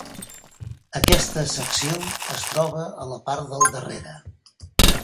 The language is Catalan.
Aquesta secció es troba a la part del darrere.